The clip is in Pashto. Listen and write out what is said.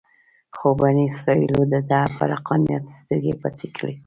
خو بني اسرایلو دده پر حقانیت سترګې پټې کړې.